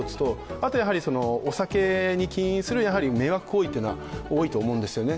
あとやはり、お酒に起因する迷惑行為が多いと思うんですよね。